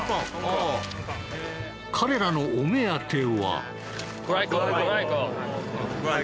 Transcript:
彼らのお目当ては。